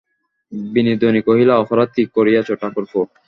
বিনোদিনী কহিল, অপরাধ কী করিয়াছ, ঠাকুরপো।